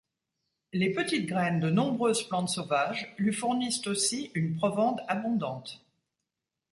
Les petites graines de nombreuses plantes sauvages lui fournissent aussi une provende abondante.